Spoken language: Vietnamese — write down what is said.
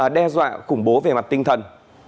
đe dọa củng bố về mặt tinh thần